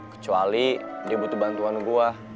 kecuali dia butuh bantuan gue